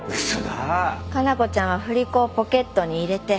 加奈子ちゃんは振り子をポケットに入れて。